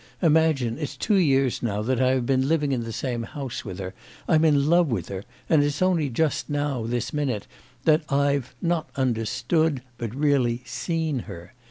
Imagine, it's two years now that I have been living in the same house with her, I'm in love with her, and it's only just now, this minute, that I've, not understood, but really seen her.